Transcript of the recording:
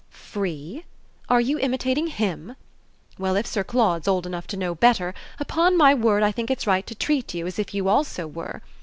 "Free? Are you imitating HIM? Well, if Sir Claude's old enough to know better, upon my word I think it's right to treat you as if you also were.